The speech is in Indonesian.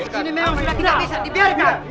tidak bisa dibiarkan